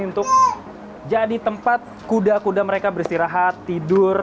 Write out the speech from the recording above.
untuk jadi tempat kuda kuda mereka beristirahat tidur